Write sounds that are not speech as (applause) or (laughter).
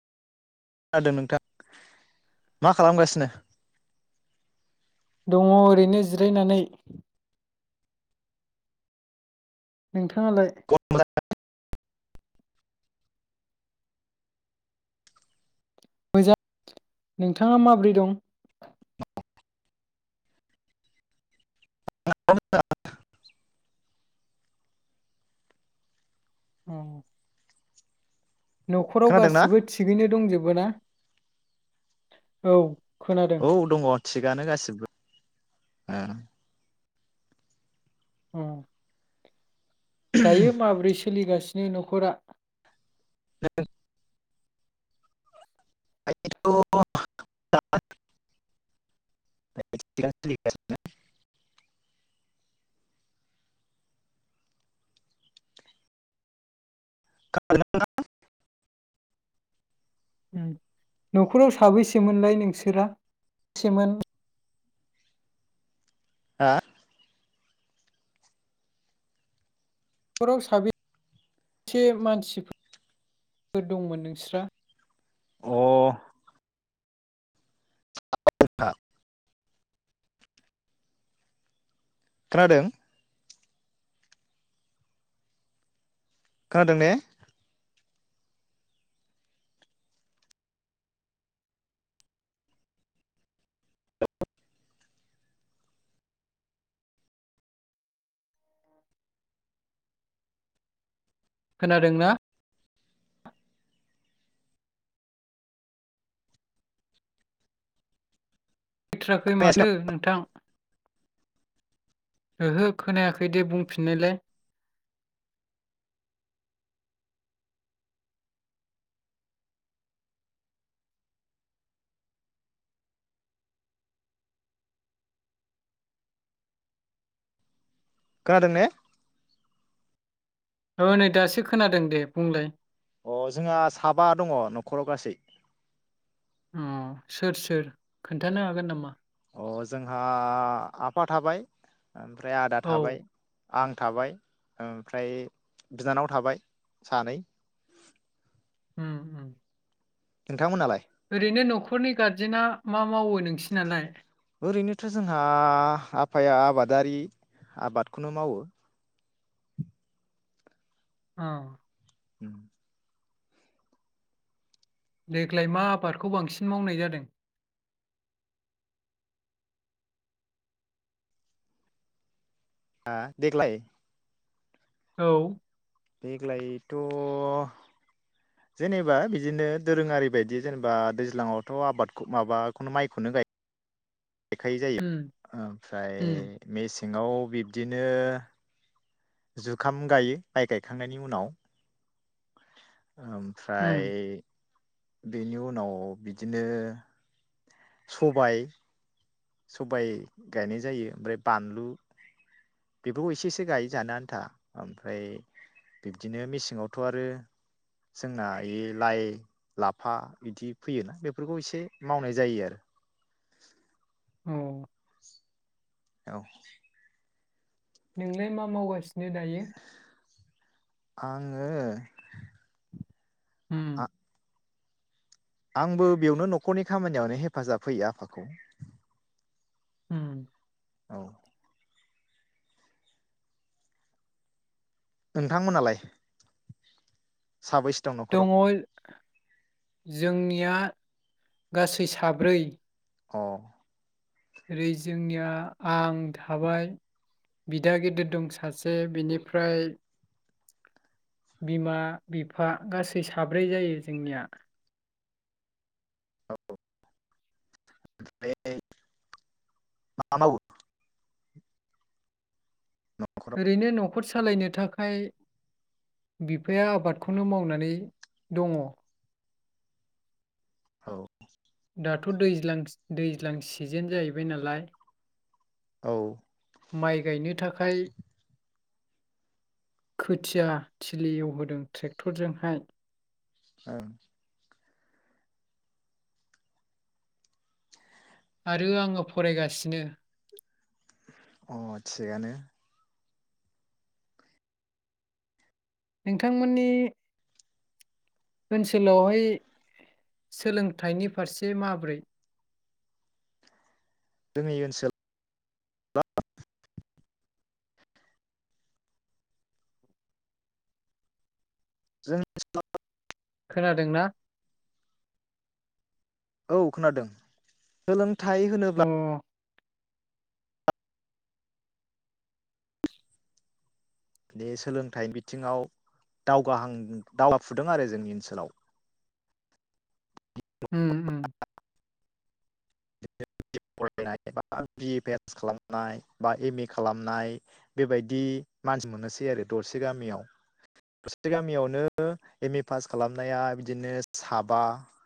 खोनादों नोंथां मा खालामगासिनो? दङ ओरैनो जिरायनानै। नोंथा थाङालाय मोजां नोंथाङा माबोरै दं? (inaudible) (unintelligible) औ न'खराव खोनादों ना गासिबो थिगैनो दंजोबो ना? औ खोनादों औ दङ थिगानो गासिबो। ओ उम। दायो माब्रैसो सोलिगासिनो नखरा (unintelligible) (unintelligible) (unintelligible) उम न'खराव साबैसेमोनलाय नोंसोरा सेमोन? हा न'खराव साबेसे मानसिफोर दंमोन नोंस्रा? खोनादों। खोनादों ने खोनादोंना फैथाराखै माथो नोंथां ओहो खोनायाखै दे बुंफिननायलाय खोनादों ने ओ नै दासो खोनादों दे बुंलाय। अ जोंहा साबा दङ नखराव गासै अ सोर सोर खोन्थानो हागोन नामा? अ जोंहा आफा थाबाय ओमफ्राय आदा औ थाबाय आं थाबाय ओमफ्राय बिनानाव थाबाय सानै। उम उम। नोंथांमोनालाय। ओरैनो न'खरनि गारजेना मा मावो नोंसि नालाय? ओरैनोथ' जोंहा आफाया आबादारि आबादखौनो मावो। ओं उम। देग्लाय मा आबादखौ बांसिन मावनाय जादों? हा देग्लाय? औ देग्लायथ' जेनेबा बिदिनो दोरोङारि बायदि जेनेबा दैज्लाङावथ' आबादखौ माबाखौनो माइखौनो गाय बेखाय जायो उम ओमफ्राय उम मेसे सेङाव बिब्दिनो। जुखाम गायो माइ गायखांनायनि उनाव। उम ओमफ्राय बेनि उनाव बिदिनो सबाइ सबाइ गायनाय जायो ओमफ्राय बानलु बेफोरखौ एसे एसे गायो जानो आन्था ओमफ्राय बिब्दिनो मेसेंआवथ' आरो जोंना इयो लाइ लाफा बिदि फैयोना बेफोरखौ एसे मावनाय जायो आरो। औ औ नोंलाय मा मावगासि नो दायो? आङो उम आ आंबो बेयावनो न'खरनि खामानियावनो हेफाजाब होयो आफाखौ। उम औ नोंथांमोनालाय? साबैसे दं न'खराव दङ' जोंनिया गासै साब्रै। अ ओरै जोंनिया आं थाबाय बिदा गेदेर दं सासे बिनिफ्राय बिमा बिफा गासै साब्रै जायो जोंनिया। औ (unintelligible) मा मावो? न'खराव ओरैनो न'खर सालायनो थाखाय बिफाया आबादखौनो मावनानै दङ। औ दाथ' दैज्लां दैज्लां सिजेन जाहैबाय नालाय। औ माइ गायनो थाखाय खोथिया थिलि एवहोदों थ्रेक्टरजोंहाय। ओं आरो आङो फरायगासिनो। अ थिगानो। नोंथांमोननि ओनसोलावहाय सोलोंथाइनि फारसे माबोरै? जोंनि ओनसोल (unintelligible) (inaudible) खोनादोंना? औ खोनादों सोलों- (unintelligible) थाय अ होनोब्ला उम बे सोलोंथाइ बिथिङाव दावगाहां दावगाफुदों आरो जोंनि ओनसोलाव। उम, उम। बिनो फरायनाय बा बिए पास खालामनाय बा एम ए खालामनाय बेबायदि मानसि मोननोसै आरो दरसे गामियाव दरसे गामियावनो एम ए पास खालामनाया बिदिनो साबा (inaudible)